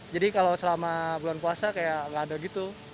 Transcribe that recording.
jadi kalau selama bulan puasa kayak nggak ada gitu